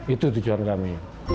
itu tujuan kami